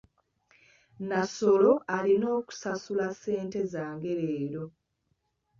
Nnassolo alina onkusasula ssente zange leero.